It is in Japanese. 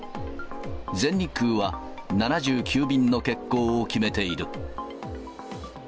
全日空は７９便の欠航を決めている。